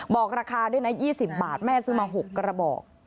บอกราคาด้วยนะ๒๐บาทแม่ซื้อมา๖กระบอก